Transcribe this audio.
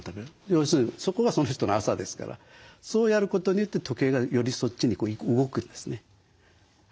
要するにそこがその人の朝ですからそうやることによって時計がよりそっちに動くんですね。